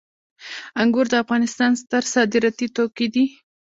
انګور د افغانستان ستر صادراتي توکي دي